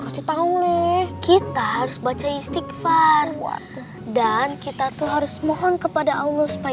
kasih tahu nih kita harus baca istighfar dan kita tuh harus mohon kepada allah supaya